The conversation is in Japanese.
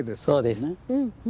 そうです。